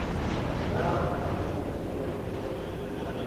সুধারাম থানা পুলিশ রাত নয়টার দিকে ঘটনাস্থলে এসে পরিস্থিতি নিয়ন্ত্রণে আনে।